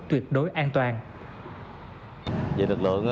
tuyệt đối an toàn